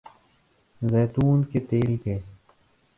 زیتون کے تیل کے